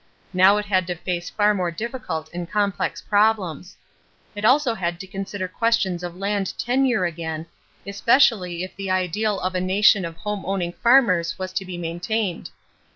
Now it had to face far more difficult and complex problems. It also had to consider questions of land tenure again, especially if the ideal of a nation of home owning farmers was to be maintained.